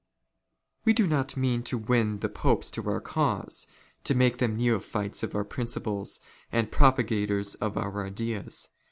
" We do not mean to win the Popes to our cause, to make " them neophytes of our principles, and propagators of our ideas.